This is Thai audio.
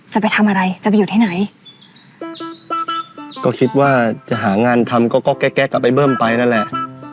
จะไปทำอะไรจะไปอยู่ที่ไหนก็คิดว่าจะหางานทำก็ก็แก๊กกับไอ้เบิ้มไปนั่นแหละ